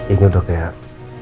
ini udah kayak